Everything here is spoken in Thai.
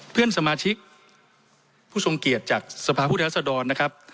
เพื่อนสมาชิกผู้ชงเกียจจากสภาพุทธแหลศดรนะครับ